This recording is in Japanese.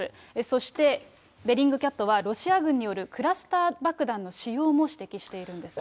そして、ベリングキャットは、ロシア軍によるクラスター爆弾の使用も指摘しているんです。